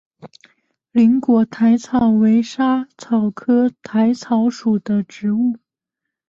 菱果薹草为莎草科薹草属的植物。